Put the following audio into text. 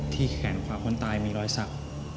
แขนขวาคนตายมีรอยสัก